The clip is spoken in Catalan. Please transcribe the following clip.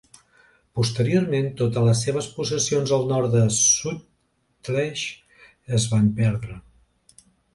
Posteriorment totes les seves possessions al nord del Sutlej es van perdre.